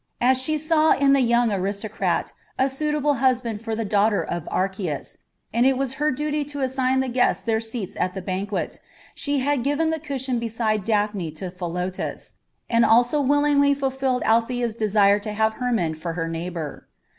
As she saw in the young aristocrat a suitable husband for the daughter of Archias, and it was her duty to assign the guests their seats at the banquet, she had given the cushion beside Daphne to Philotas, and also willingly fulfilled Althea's desire to have Hermon for her neighbour.